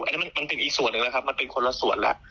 อันนี้มันเป็นอีกส่วนหนึ่งแล้วครับมันเป็นคนละส่วนแล้ว